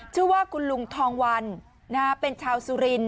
ชื่อว่าคุณลุงทองวันเป็นชาวสุรินท